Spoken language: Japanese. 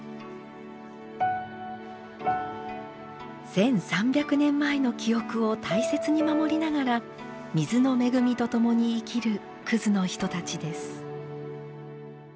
１，３００年前の記憶を大切に守りながら水の恵みとともに生きる国栖の人たちです。